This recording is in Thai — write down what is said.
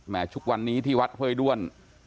แม้ทุกวันนี้ที่วัดเฮ้ยด้วน